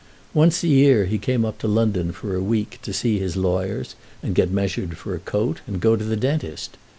Once a year he came up to London for a week, to see his lawyers, and get measured for a coat, and go to the dentist.